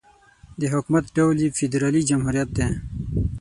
د حکومت ډول یې فدرالي جمهوريت دی.